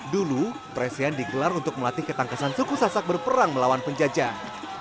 dulu presian digelar untuk melatih ketangkasan suku sasak berperang melawan penjajah